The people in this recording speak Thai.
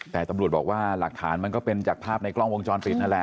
แต่ตำรวจบอกว่าหลักฐานมันก็เป็นจากภาพในกล้องวงจรปิดนั่นแหละ